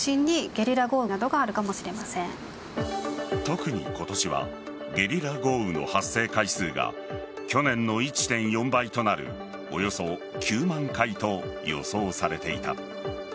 特に今年はゲリラ豪雨の発生回数が去年の１．４倍となるおよそ９万回と予想されていた。